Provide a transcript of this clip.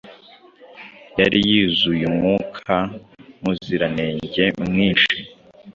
Yari yuzuye Mwuka Muziranenge mwinshi,